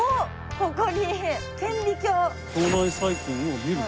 ここに「顕微鏡」。